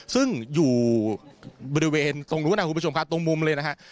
ซึ่งอยู่บริเวณตรงนู้นนะครับคุณผู้ชมครับตรงมุมเลยนะฮะ